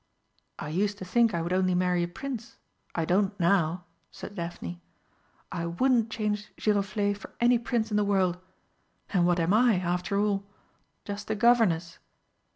"I used to think I would only marry a Prince, I don't now," said Daphne. "I wouldn't change Giroflé for any Prince in the world. And what am I, after all? Just a Governess!"